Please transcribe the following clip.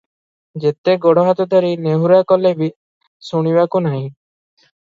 ଯେତେ ଗୋଡ଼ ହାତ ଧରି ନେହୁରା କଲେ ବି ଶୁଣିବାକୁ ନାହିଁ ।